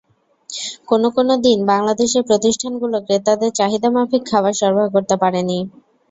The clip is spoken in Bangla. কোনো কোনো দিন বাংলাদেশের প্রতিষ্ঠানগুলো ক্রেতাদের চাহিদামাফিক খাবার সরবরাহ করতে পারেনি।